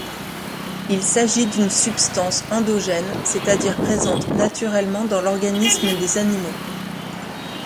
Il s'agit d'une substance endogène, c'est-à-dire présente naturellement dans l'organisme des animaux.